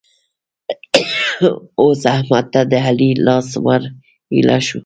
اوس احمد ته د علي لاس ور ايله شو.